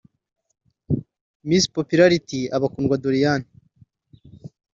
Miss Popularity aba Kundwa Doriane